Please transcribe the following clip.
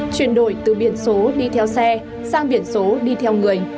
chuyển đổi từ biển số đi theo xe sang biển số đi theo người